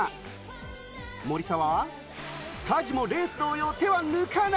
守澤は家事もレース同様、手を抜かない。